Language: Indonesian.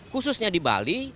khususnya di bali